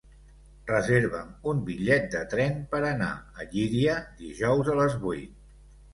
Reserva'm un bitllet de tren per anar a Llíria dijous a les vuit.